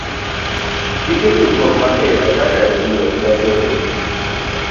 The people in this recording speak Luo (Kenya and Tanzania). Gige tudruok mapile kaka redio, gasede,